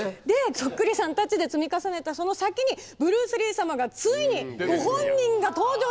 そっくりさんたちで積み重ねたその先にブルース・リー様がついにご本人が登場します。